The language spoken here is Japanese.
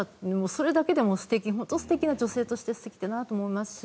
それだけでも素敵な女性として素敵だなと思いますし。